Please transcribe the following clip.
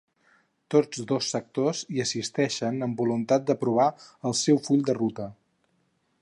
Tots dos sectors hi assisteixen amb voluntat d’aprovar el seu full de ruta.